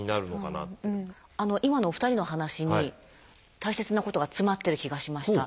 今のお二人の話に大切なことが詰まってる気がしました。